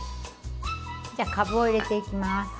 じゃかぶを入れていきます。